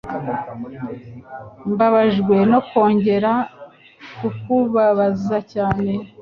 Mbabajwe no kongera kukubabaza cyane.